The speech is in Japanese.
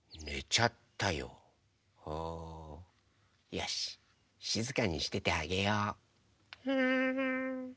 よししずかにしててあげよう。